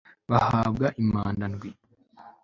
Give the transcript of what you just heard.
bahabwa impanda ndwi